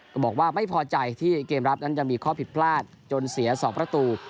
ก็บอกว่าไม่พอใจที่เกมรับนั้นยังมีข้อผิดพลาดจนเสีย๒ประตู